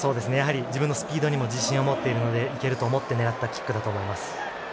自分のスピードにも自信を持っているのでいけると思って狙ったキックだと思います。